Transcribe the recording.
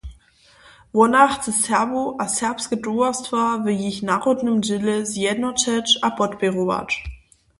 Wona chce Serbow a serbske towarstwa w jich narodnym dźěle zjednoćeć a podpěrować.